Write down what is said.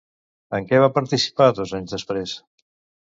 En què va participar dos anys després?